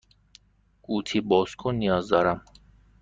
قوطی باز کن نیاز دارم.